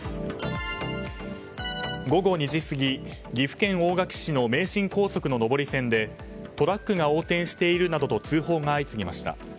午後２時過ぎ岐阜県大垣市の名神高速の上り線で、トラックが横転しているなどと通報が相次ぎました。